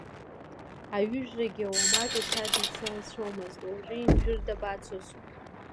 Аҩыжәрагьы уамак иҽадицалацәомызт, уажәы имжәыр дабацоз.